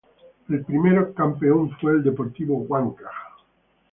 El primero campeón fue el Deportivo Wanka.